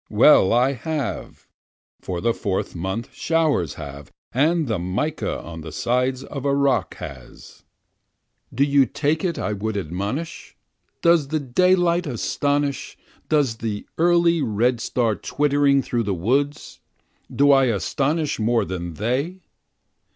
Well I have, for the Fourth month showers have, and the mica on the side of a rock has. Do you take it I would astonish? Does the daylight astonish? does the early redstart twittering through the woods? Do I astonish more than they?